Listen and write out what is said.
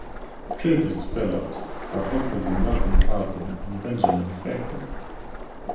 Previous fellows have included Melvin Calvin and Benjamin Franklin.